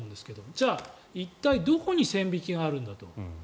じゃあ一体どこに線引きがあるんだと。